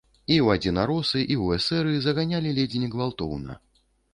І ў адзінаросы і ў эсэры заганялі ледзь не гвалтоўна.